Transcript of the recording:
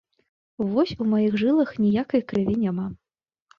Вось у маіх жылах ніякай крыві няма.